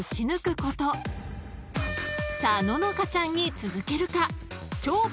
［さあ希華ちゃんに続けるか？］